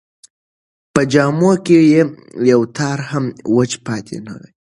په جامو کې یې یو تار هم وچ پاتې نه و.